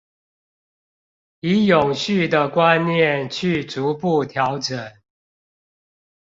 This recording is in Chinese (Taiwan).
以永續的觀念去逐步調整